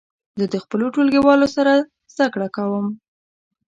زه د خپلو ټولګیوالو سره زده کړه کوم.